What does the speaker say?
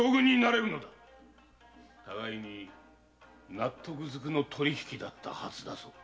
互いに納得ずくの取り引きだったはずだぞ。